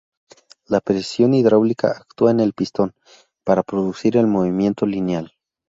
La presión hidráulica actúa en el pistón para producir el movimiento lineal.